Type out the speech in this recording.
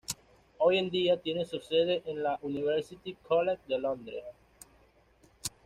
Hoy en día tiene su sede en la University College de Londres.